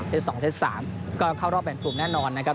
๒เซต๓ก็เข้ารอบแบ่งกลุ่มแน่นอนนะครับ